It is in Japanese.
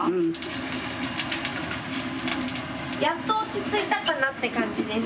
やっと落ち着いたかなって感じです。